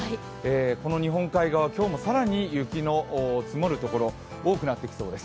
この日本海側、今日も更に雪の積もる所、多くなってきそうです。